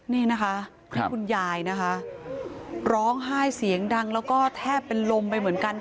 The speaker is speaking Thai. นี่นะคะนี่คุณยายนะคะร้องไห้เสียงดังแล้วก็แทบเป็นลมไปเหมือนกัน